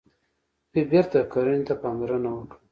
دوی بیرته کرنې ته پاملرنه وکړه.